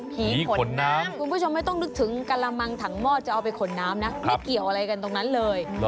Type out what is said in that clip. ขนน้ำคุณผู้ชมไม่ต้องนึกถึงกระมังถังหม้อจะเอาไปขนน้ำนะไม่เกี่ยวอะไรกันตรงนั้นเลย